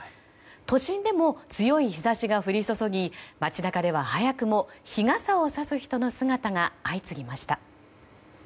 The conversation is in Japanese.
都心でも強い日差しが降り注ぎ街中では早くも日傘をさす人の姿が相次ぎました。